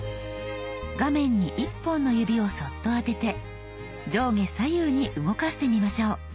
画面に１本の指をそっと当てて上下左右に動かしてみましょう。